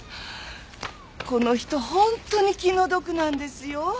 この人本当に気の毒なんですよ。